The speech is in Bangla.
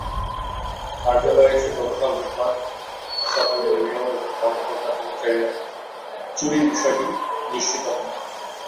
কার্যালয়ে এসে গতকাল রোববার সকালে মেয়র এবং কর্মকর্তা-কর্মচারীরা চুরির বিষয়টি নিশ্চিত হন।